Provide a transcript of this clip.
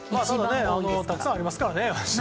たくさんありますからね。